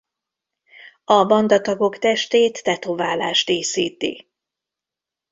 A bandatagok testét tetoválás díszíti.